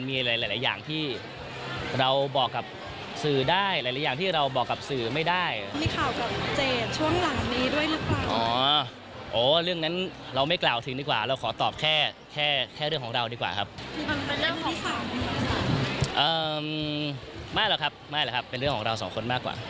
ไม่หรอกครับเป็นเรื่องของเราสองคนมากกว่า